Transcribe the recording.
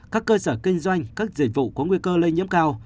các cơ sở kinh doanh các dịch vụ có nguy cơ lây nhiễm cao